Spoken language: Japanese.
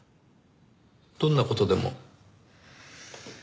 どんな事でも。